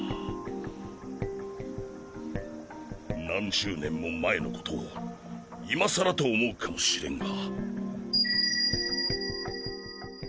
何十年も前のことを今さらと思うかもしれんが。